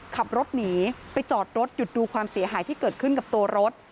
ขับรถหนีไปจอดรถหยุดดูความเสียหายที่เกิดขึ้นกับตัวรถ